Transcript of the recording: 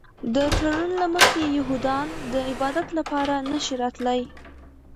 د تړون له مخې یهودان د عبادت لپاره نه شي راتلی.